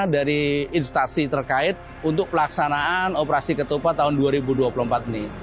dari instasi terkait untuk pelaksanaan operasi ketupat tahun dua ribu dua puluh empat ini